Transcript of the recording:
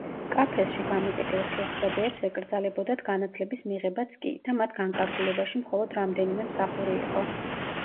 კაფესში გამოკეტილ შეჰზადეებს ეკრძალებოდათ განათლების მიღებაც კი და მათ განკარგულებაში მხოლოდ რამდენიმე მსახური იყო.